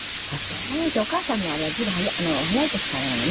じゃあお母さんのあれは随分早い時からなのね。